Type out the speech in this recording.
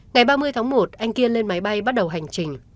ngày ba mươi tháng một anh kiên lên máy bay bắt đầu hành trình